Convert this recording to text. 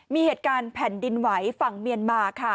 มีเหตุการณ์แผ่นดินไหวฝั่งเมียนมาค่ะ